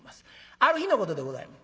ある日のことでございます。